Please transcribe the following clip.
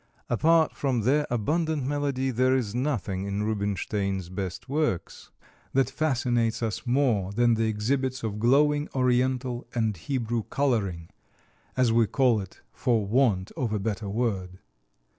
Apart from their abundant melody there is nothing in Rubinstein's best works that fascinates us more than the exhibits of glowing Oriental and Hebrew "coloring" as we call it for want of a better word.